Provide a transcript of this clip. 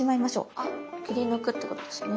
あ切り抜くってことですね？